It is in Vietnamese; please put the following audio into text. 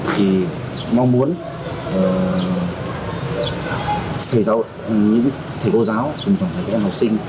thì mong muốn thầy cô giáo cùng tổng thầy các em học sinh